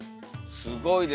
すごいです。